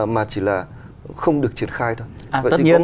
mà chỉ là không được triển khai thôi